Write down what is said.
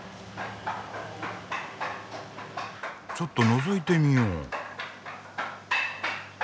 ・ちょっとのぞいてみよう。